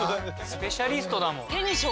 スペシャリストだもん。